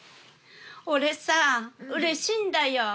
俺さうれしいんだよ。